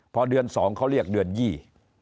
พอเดือนสองเขาเรียกเดือนยี่